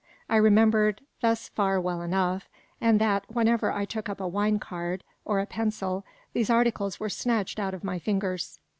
I remembered thus far well enough; and that, whenever I took up a wine card, or a pencil, these articles were snatched out of my fingers.